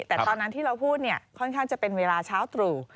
แต่ตอนนั้นที่เราพูดเนี่ยค่อนข้างจะเป็นเวลาเช้าตรู่